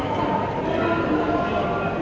สวัสดีครับ